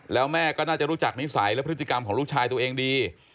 แล้วแม่ก็น่าจะรู้จักนิสัยและพฤติกรรมของลูกชายตัวเองดี